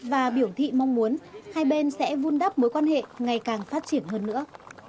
và biểu thị mong muốn hai bên sẽ vun đắp mối quan hệ ngày càng phát triển hơn nữa